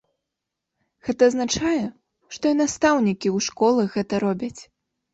Гэта азначае, што і настаўнікі ў школах гэта робяць.